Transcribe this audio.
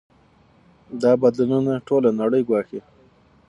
دا بدلونونه ټوله نړۍ ګواښي.